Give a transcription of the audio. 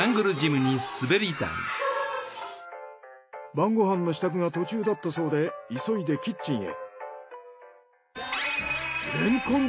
晩ご飯の支度が途中だったそうで急いでキッチンへ。